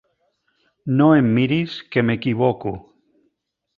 No em miris que m'equivoco.